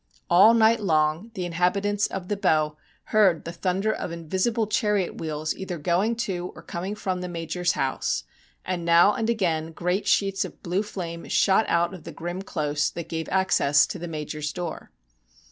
All night long the inhabitants of the Bow heard the thunder of invisible chariot wheels either going to or coming from the Major's house, and now and again great sheets of blue flame shot out of the grim close that gave access to the Major's door.